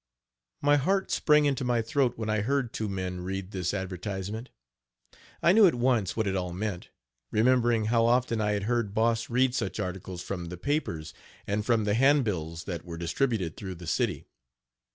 My heart sprang into my throat when I heard two men read this advertisement. I knew, at once, what it all meant, remembering how often I had heard Boss read such articles from the papers and from the handbills that were distributed through the city.